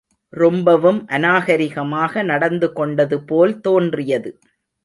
ரொம்பவும் அநாகரிகமாக நடந்து கொண்டதுபோல் தோன்றியது.